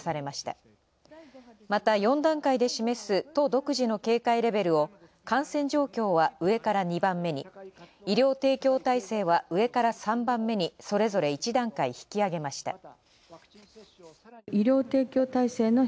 また、４段階で示す都、独自の警戒レベルを感染状況は上から２番目に医療提供体制は上から３番目にそれぞれ１段階引き上げました。